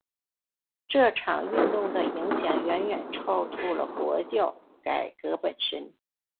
这场运动的影响远远超出了国教改革本身。